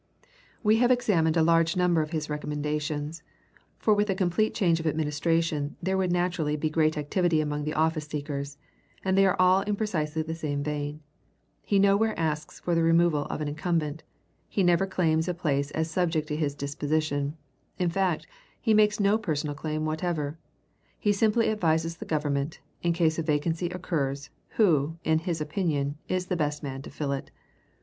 We have examined a large number of his recommendations for with a complete change of administration there would naturally be great activity among the office seekers and they are all in precisely the same vein. He nowhere asks for the removal of an incumbent; he never claims a place as subject to his disposition; in fact, he makes no personal claim whatever; he simply advises the Government, in case a vacancy occurs, who, in his opinion, is the best man to fill it.